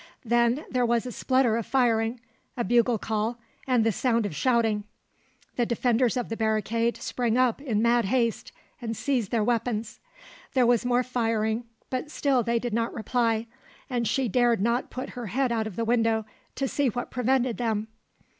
Then there was a splutter of firing, a bugle call, and the sound of shouting. The defenders of the barricade sprang up in mad haste and seized their weapons. There was more firing, but still they did not reply, and she dared not put her head out of the window to see what prevented them.